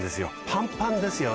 パンパンですよね。